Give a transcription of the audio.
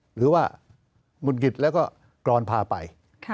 หรือว่ามุนกิจแล้วก็กรอนพาไป